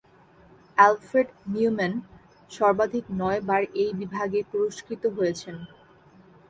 Alfred Neumann সর্বাধিক নয়বার এই বিভাগে পুরস্কৃত হয়েছেন।